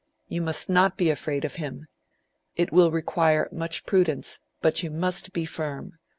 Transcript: You must not be afraid of him. It will require much prudence, but you must be firm.